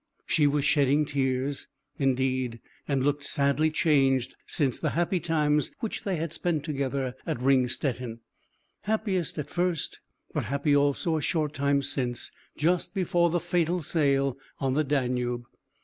She was shedding tears, indeed, and looked sadly changed since the happy times which they had spent together at Ringstetten; happiest at first, but happy also a short time since, just before the fatal sail on the Danube.